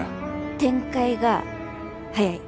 展開が早い。